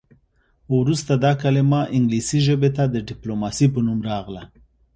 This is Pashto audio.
وروسته دا کلمه انګلیسي ژبې ته د ډیپلوماسي په نوم راغله